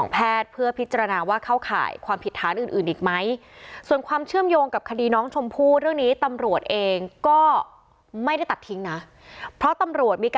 แพทย์เพื่อพิจารณาว่าเข้าข่ายความผิดฐานอื่นอีกไหม